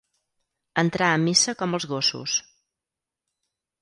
Entrar a missa com els gossos.